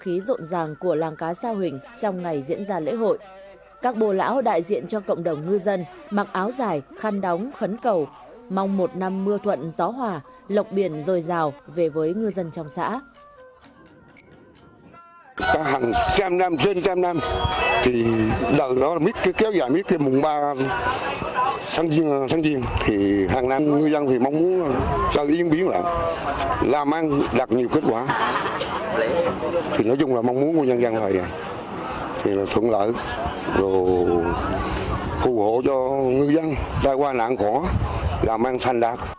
không khí rộn ràng của làng cá sao hình trong ngày diễn ra lễ hội các bồ lão đại diện cho cộng đồng ngư dân mặc áo dài khăn đóng khấn cầu mong một năm mưa thuận gió hòa lọc biển rồi rào về với ngư dân trong xã